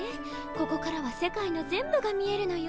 ここからは世界の全部が見えるのよ。